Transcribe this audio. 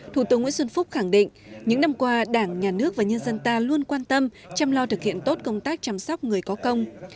thủ tướng nguyễn xuân phúc khẳng định những năm qua đảng nhà nước và nhân dân ta luôn quan tâm chăm lo thực hiện tốt công tác chăm sóc người có công